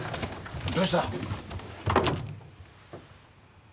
どうした？